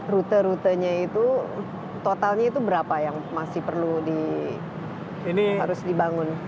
rute rutenya itu totalnya itu berapa yang masih perlu dibangun